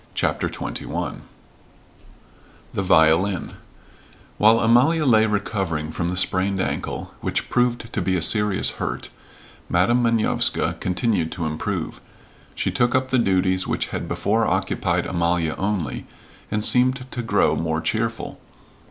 CHAPTER XXI THE VIOLIN While Amalia lay recovering from the sprained ankle, which proved to be a serious hurt, Madam Manovska continued to improve. She took up the duties which had before occupied Amalia only, and seemed to grow more cheerful.